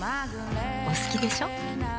お好きでしょ。